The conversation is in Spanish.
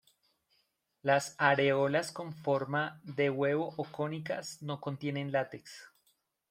Las areolas con forma de huevo o cónicas no contienen látex.